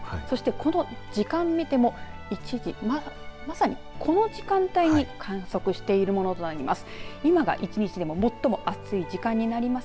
この時間、見ても１時、まさにこの時間帯に観測しているものとなります。